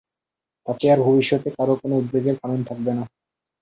তাতে আর ভবিষ্যতে কারও কোন উদ্বেগের কারণ থাকবে না।